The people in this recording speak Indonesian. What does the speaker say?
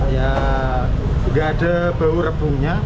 ya nggak ada bau rebungnya